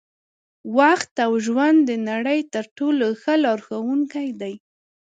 وخت او ژوند د نړۍ تر ټولو ښه لارښوونکي دي.